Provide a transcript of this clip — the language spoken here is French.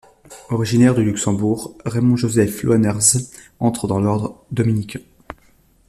Originaire du Luxembourg, Raymond-Joseph Loenertz entre dans l’Ordre dominicain.